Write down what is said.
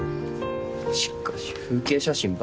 しかし風景写真ばっか。